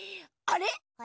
あれ？